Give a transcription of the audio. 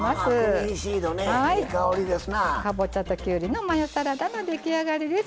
かぼちゃときゅうりのマヨサラダの出来上がりです。